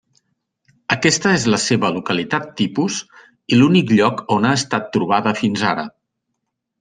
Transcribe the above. Aquesta és la seva localitat tipus i l'únic lloc on ha estat trobada fins ara.